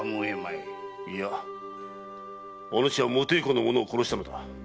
いやおぬしは無抵抗の者を殺したのだ。